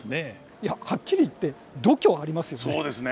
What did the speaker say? いやはっきり言って度胸ありますよね。